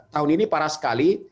tahun ini parah sekali